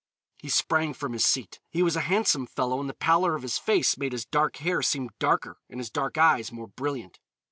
He sprang from his seat. He was a handsome fellow and the pallor of his face made his dark hair seem darker and his dark eyes more brilliant.